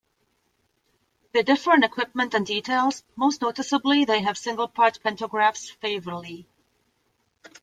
They differe in equipment and details, most noticeably they have single-part pantographs Faiveley.